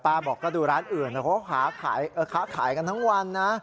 บอกก็ดูร้านอื่นเขาค้าขายกันทั้งวันนะ